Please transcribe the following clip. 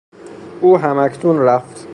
او هم اکنون رفت.